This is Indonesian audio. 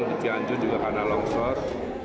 di tianju juga panah longsor